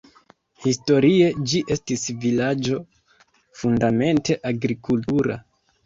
Historie ĝi estis vilaĝo fundamente agrikultura.